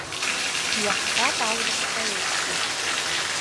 Иаҳҳәап, аурыс поет ду.